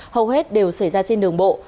hầu hết đều xảy ra trên đường bộ